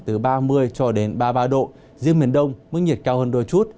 từ ba mươi cho đến ba mươi ba độ riêng miền đông mức nhiệt cao hơn đôi chút